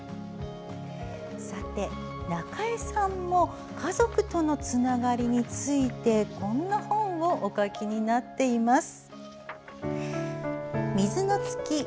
中江さんも家族とのつながりについてこんな本をお書きになっています。